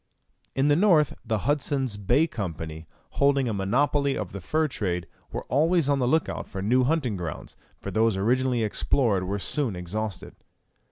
In the north the Hudson's Bay Company, holding a monopoly of the fur trade, were always on the look out for new hunting grounds, for those originally explored were soon exhausted.